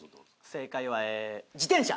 正解はええ自転車。